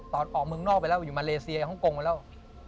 ออกเมืองนอกไปแล้วอยู่มาเลเซียฮ่องกงไปแล้ว